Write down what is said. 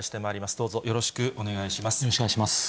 どうぞよろしくおよろしくお願いします。